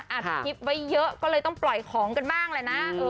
อัดคลิปไว้เยอะก็เลยต้องปล่อยของกันบ้างแหละนะ